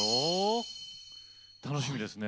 楽しみですね。